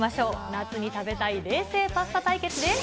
夏に食べたい冷製パスタ対決です。